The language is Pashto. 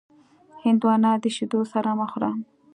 هندوانه د شیدو سره مه خوره.